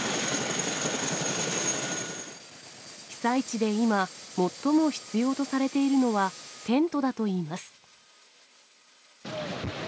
被災地で今、最も必要とされているのは、テントだといいます。